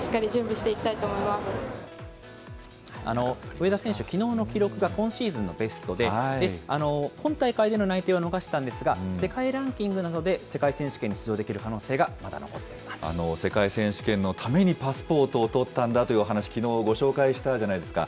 上田選手、きのうの記録が今シーズンのベストで、今大会での内定は逃したんですが、世界ランキングなどで世界選手権に出場できる可能性がまだ残って世界選手権のためにパスポートを取ったんだというお話、きのうご紹介したじゃないですか。